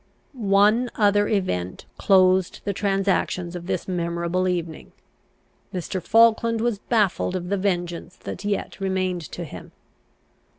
One other event closed the transactions of this memorable evening. Mr. Falkland was baffled of the vengeance that yet remained to him.